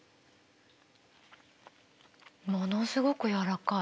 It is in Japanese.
ものすごく柔らかい。